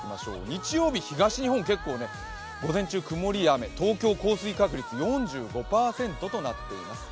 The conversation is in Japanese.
日曜日も午前中曇りや雨、東京の降水確率は４５％となっています。